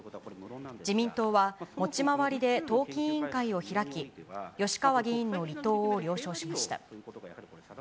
自民党は、持ち回りで党紀委員会を開き、吉川議員の離党を了承しました。